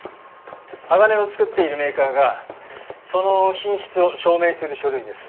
鋼を作っているメーカーがその品質を証明する書類です。